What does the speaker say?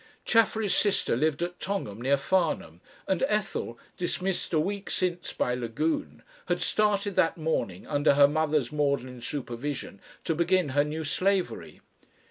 Chaffery's sister lived at Tongham, near Farnham, and Ethel, dismissed a week since by Lagune, had started that morning, under her mother's maudlin supervision, to begin her new slavery.